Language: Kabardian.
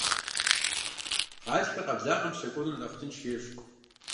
Гъатхэ къэблагъэм щэкӀуэныр нэхъ тынш ещӀ.